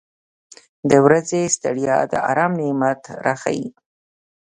• د ورځې ستړیا د آرام نعمت راښیي.